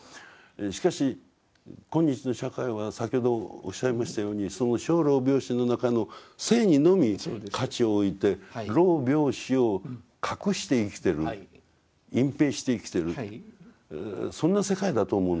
しかし今日の社会は先ほどおっしゃいましたように生老病死の中の生にのみ価値を置いて老病死を隠して生きてる隠蔽して生きてるそんな世界だと思うんですよ。